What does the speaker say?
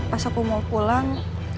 pas aku mau pulang